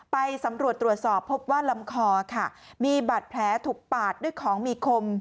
ไปสำรวจตรวจสอบพบว่าลำคอค่ะมีบาดแผลถูกปาดด้วยของมีคม